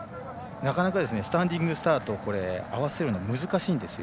なかなかステンディングスタート合わせるの難しいんですよ。